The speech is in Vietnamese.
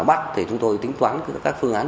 bắt thì chúng tôi tính toán các phương án